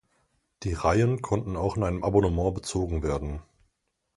Die Reihen konnten auch im Abonnement bezogen werden.